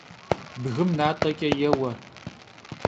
Bgım nat'eç'e yêue.